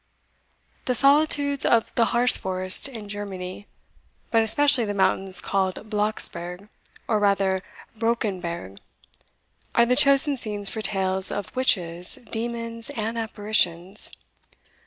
The solitudes of the Harz forest in Germany, but especially the mountains called Blocksberg, or rather Brockenberg, are the chosen scenes for tales of witches, demons, and apparitions.